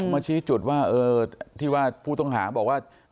มาชี้จุดว่าที่ว่าผู้ต้องหาบอกว่า